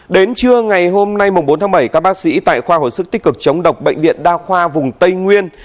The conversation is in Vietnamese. đến trưa ngày hôm nay bốn tháng bảy các bác sĩ tại khoa hồi sức tích cực chống độc bệnh viện đa khoa vùng tây nguyên